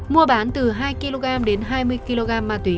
mua bán từ hai kg đến hai mươi kg ma túy